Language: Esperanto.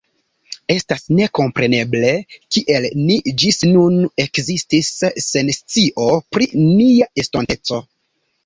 Estas nekompreneble, kiel ni ĝis nun ekzistis sen scio pri nia estonteco.